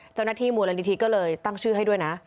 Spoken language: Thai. เจ้าหน้าที่มูลนิธิก็เลยตั้งชื่อให้ด้วยนะ